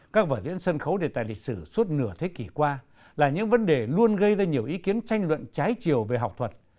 các vở diễn sân khấu đề tài lịch sử suốt nửa thế kỷ qua là những vấn đề luôn gây ra nhiều ý kiến tranh luận trái chiều về học thuật